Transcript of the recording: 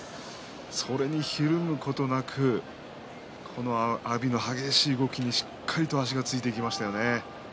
それに、ひるむことなくこの阿炎の激しい動きにしっかりと足がついてきましたよね。